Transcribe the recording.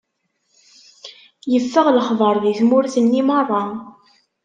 Iffeɣ lexbaṛ di tmurt-nni meṛṛa.